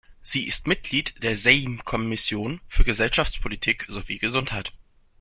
Sie ist Mitglied der Sejm-Kommissionen für Gesellschaftspolitik sowie Gesundheit.